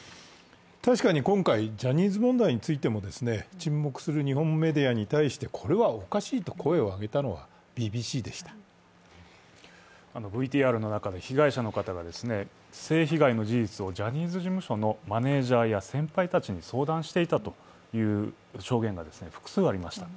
確かに今回、ジャニーズ問題についても沈黙する日本メディアに対して、これはおかしいと声を上げたのはＶＴＲの中で被害者の方が性被害の事実をジャニーズ事務所のマネージャーや先輩たちにも相談していたという証言が複数ありました。